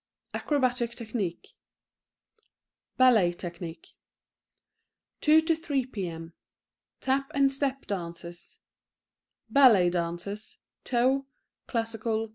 {Acrobatic Technique {Ballet Technique 2 to 3 P.M. {Tap and Step Dances {Ballet Dances (Toe, Classical, Etc.)